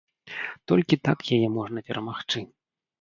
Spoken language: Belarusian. Толькі так яе можна перамагчы.